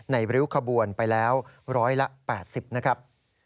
ริ้วขบวนไปแล้ว๑๘๐นะครับ